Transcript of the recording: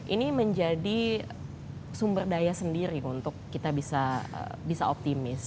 ini menjadi sumber daya sendiri untuk kita bisa optimis